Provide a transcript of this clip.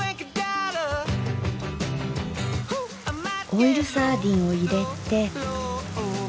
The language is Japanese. オイルサーディンを入れて。